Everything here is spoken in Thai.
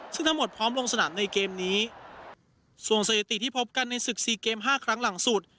ซึ่งทั้งหมดพร้อมลงสนามในเกมนี้ส่วนสถิติที่พบกันในศึกสี่เกมห้าครั้งหลังสุด